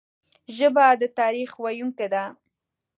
ژبه د تاریخ ویونکي ده